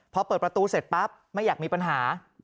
พอเปิดประตูเสร็จปั๊บไม่อยากมีปัญหา